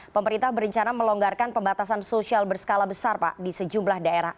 pemerintah berencana melonggarkan pembatasan sosial berskala besar pak di sejumlah daerah